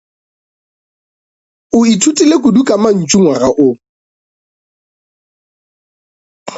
O ithutile kudu ka mantšu ngwaga wo.